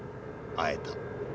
会えた。